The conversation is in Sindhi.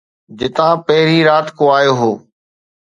جتان پھرين رات ڪو آيو ھو